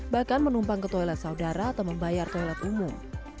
bahkan menumpang ke toilet saudara atau membayar toilet umum